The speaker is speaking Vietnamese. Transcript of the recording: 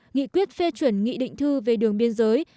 nghị quyết phê chuẩn nghị định thư về đường biên giới